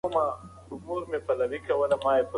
محمد هوتک د پټې خزانې د ليکلو لپاره هڅول شوی و.